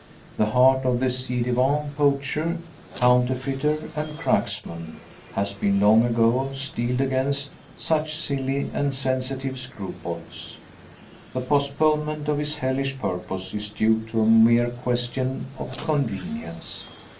The heart of the ci devant poacher, counterfeiter, and cracksman, has been long ago steeled against such silly and sensitive scruples. The postponement of his hellish purpose is due to a mere question of convenience.